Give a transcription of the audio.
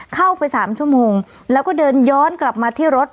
เข้าไป๓ชั่วโมงแล้วก็เดินย้อนกลับมาที่รถ